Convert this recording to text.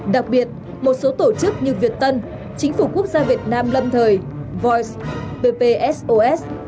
đặc biệt một số tổ chức như việt tân chính phủ quốc gia việt nam lâm thời voice ppsos